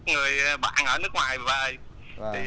người bạn ở nước ngoài về